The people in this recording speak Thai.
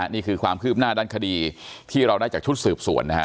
นี่คือความคืบหน้าด้านคดีที่เราได้จากชุดสืบสวนนะฮะ